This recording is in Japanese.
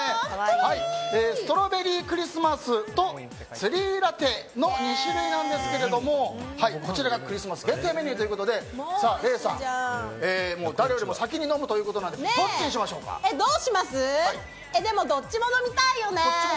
ストロベリークリスマスとツリーラテの２種類なんですけどもこちらがクリスマス限定メニューということで礼さん、誰よりも先に飲むということなのでどっちも飲みたいよね。